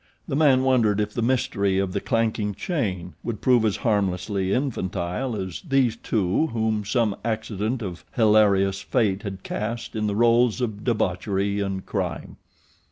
The man wondered if the mystery of the clanking chain would prove as harmlessly infantile as these two whom some accident of hilarious fate had cast in the roles of debauchery and crime.